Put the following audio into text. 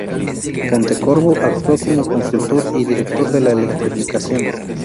Pontecorvo actuó como consultor y director de la electrificación.